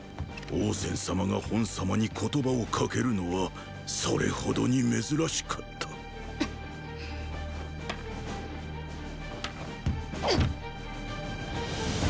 王翦様が賁様に言葉をかけるのはそれほどに珍しかったっ！